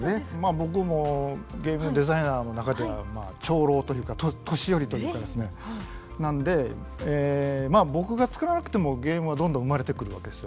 僕もゲームデザイナーの中では長老というか年寄りというかですねなのでまあ僕がつくらなくてもゲームはどんどん生まれてくるわけですよ。